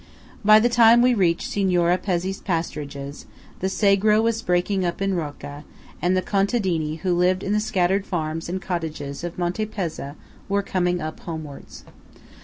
By the time we reached Signora Pezzé's pasturages, the Sagro was breaking up in Rocca, and the contadini who lived in the scattered farms and cottages of Monte Pezza were coming up homewards.